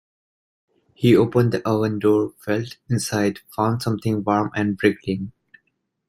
He opened the oven door, felt inside, and found something warm and wriggling.